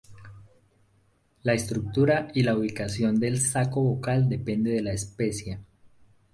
La estructura y la ubicación del saco vocal depende de la especie.